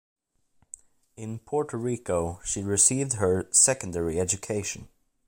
In Puerto Rico, she received her secondary education.